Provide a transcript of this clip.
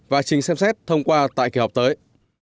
và trình xem xét thông qua tại kỳ họp tới